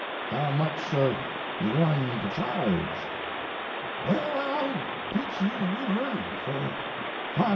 "'How much are you going to charge? "'Well, I'll teach you the river for $500.'